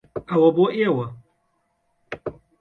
ئەوە بۆ ئێوە.